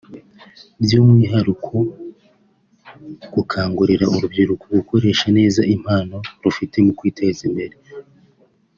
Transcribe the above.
by’umwihariko gukangurira urubyiruko gukoresha neza impano rufite mu kwiteza imbere